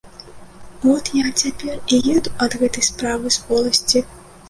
От я цяпер і еду ад гэтай справы з воласці.